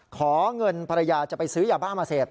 ขอเงินภรรยาจะไปซื้อยาบ้ามาเสพ